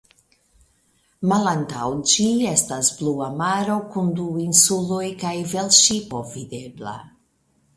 Malantaŭ ĝi estas blua maro kun du insuloj kaj velŝipo videbla.